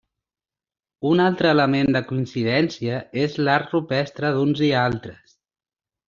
Un altre element de coincidència és l'art rupestre d'uns i altres.